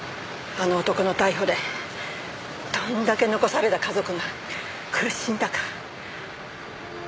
あの男の逮捕でどんだけ残された家族が苦しんだか。